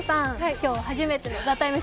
今日初めての「ＴＨＥＴＩＭＥ，」